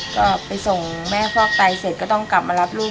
ก็ไปส่งแม่ฟอกไตเสร็จก็ต้องกลับมารับลูก